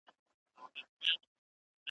چي نه می نه میخانه وي نه ساقي نه پیمانه وي.